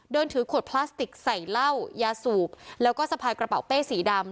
เดินถือขวดพลาสติกใส่เหล้ายาสูบแล้วก็สะพายกระเป๋าเป้สีดำ